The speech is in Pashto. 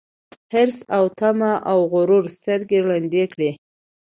حرص او تمه او غرور سترګي ړندې کړي